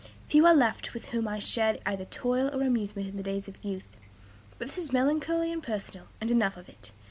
Few are left with whom I shared either toil or amusement in the days of youth. But this is melancholy and personal, and enough of it.